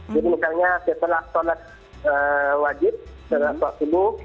jadi misalnya setelah sholat wajib setelah sholat fadlul